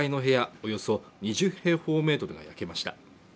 およそ２０平方メートルが焼けました。